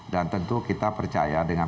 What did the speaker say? dan tentu kita percaya dengan